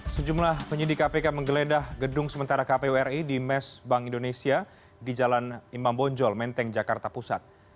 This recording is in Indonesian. sejumlah penyidik kpk menggeledah gedung sementara kpu ri di mes bank indonesia di jalan imam bonjol menteng jakarta pusat